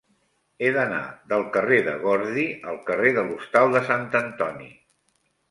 He d'anar del carrer de Gordi al carrer de l'Hostal de Sant Antoni.